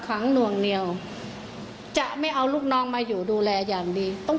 หน่วงเหนียวจะไม่เอาลูกน้องมาอยู่ดูแลอย่างดีต้อง